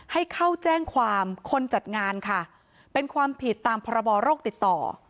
ให้เข้าแจ้งความคนจัดงานค่ะเป็นความผิดตามพรบโรคติดต่อ